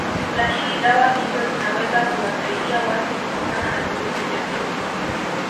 Lakini dawa hizo zinaweza kuwasaidia watu kupambana na virusi vya Ukimwi